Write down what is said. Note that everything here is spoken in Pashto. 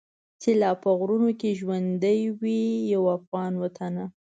چي لا په غرونو کي ژوندی وي یو افغان وطنه.